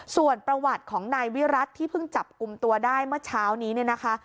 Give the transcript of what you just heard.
ส่วนประวัติของนายวิรัติที่เพิ่งจับกลุ่มตัวได้เมื่อเช้านี้เนี่ยนะคะ